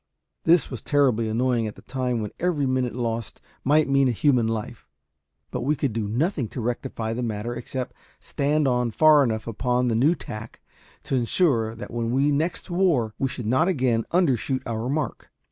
This was terribly annoying at a time when every minute lost might mean a human life; but we could do nothing to rectify the matter except stand on far enough upon the new tack to insure that when we next wore we should not again under shoot our mark.